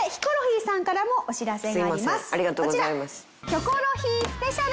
『キョコロヒー』スペシャル！